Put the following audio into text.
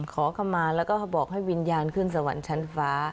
ขอเข้ามาแล้วก็บอกให้วิญญาณขึ้นสวรรค์ชั้นฟ้า